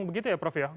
begitu ya prof ya